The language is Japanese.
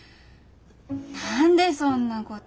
何でそんなこと？